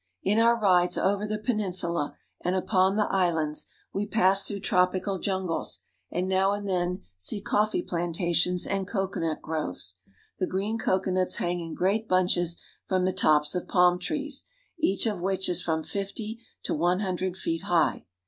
In our rides over the peninsula and upon the islands we pass through tropical jungles, and now and then see coffee plantations and coconut groves. The green coconuts hang in great bunches from the tops of palm trees, each of which is from fifty to one hundred feet high.